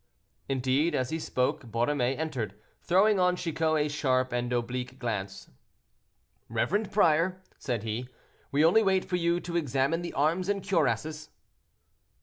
Indeed, as he spoke, Borromée entered, throwing on Chicot a sharp and oblique glance. "Reverend prior," said he, "we only wait for you to examine the arms and cuirasses."